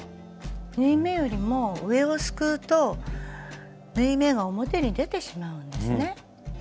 縫い目よりも上をすくうと縫い目が表に出てしまうんですね。